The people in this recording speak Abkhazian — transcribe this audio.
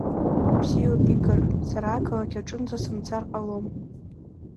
Бзиоуп, Игор, сара ақалақь аҿынӡа сымцар ҟалом…